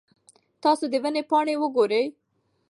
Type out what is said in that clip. تاسو د ونې پاڼې وګورئ.